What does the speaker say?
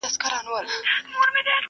وني پاڼي لري.